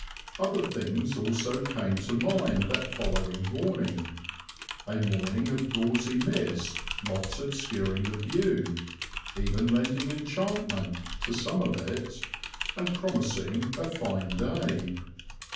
Other things also came to mind that following morning, a morning of gauzy mist not obscuring the view, even lending enchantment to some of it, and promising a fine day.